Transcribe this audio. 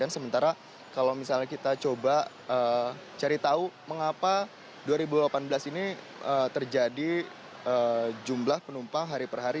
sementara kalau misalnya kita coba cari tahu mengapa dua ribu delapan belas ini terjadi jumlah penumpang hari per hari